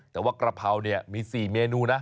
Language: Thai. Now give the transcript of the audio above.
แต่ว่ากระเพราเนี่ยมี๔เมนูนะ